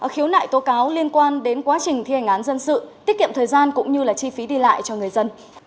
khiếu nại tố cáo liên quan đến quá trình thi hành án dân sự tiết kiệm thời gian cũng như chi phí đi lại cho người dân